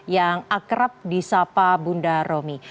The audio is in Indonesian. yang akrab di sapa bunda romi